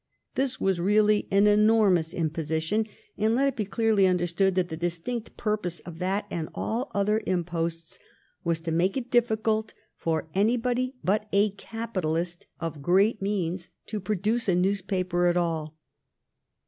This was really an enormous im position ; and let it be clearly understood that the distinct purpose of that and all other imposts was to make it difficult for anybody but a capitalist of great means to produce a newspaper at all.